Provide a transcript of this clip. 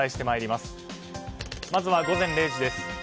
まずは午前０時です。